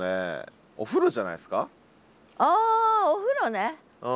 あお風呂ね。